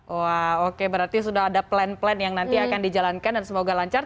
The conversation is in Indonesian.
wah oke berarti sudah ada plan plan yang nanti akan dijalankan dan semoga lancar